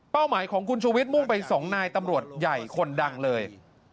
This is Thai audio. หมายของคุณชูวิทยมุ่งไป๒นายตำรวจใหญ่คนดังเลย